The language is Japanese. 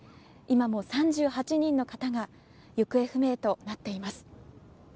今も３８人の方が行方不明となっています。